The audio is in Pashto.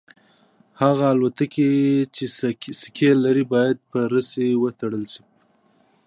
هغه الوتکې چې سکي لري باید په رسۍ وتړل شي